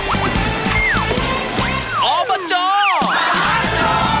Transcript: ออกประจอด